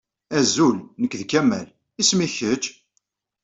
Azul, nekk d Kamal. Isem-ik kečč?